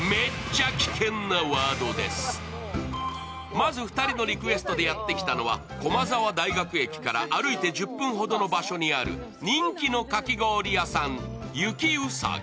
まず２人のリクエストでやってきたのは、駒沢大学駅から歩いて１０分ほどの場所にある人気のかき氷屋さん、雪うさぎ。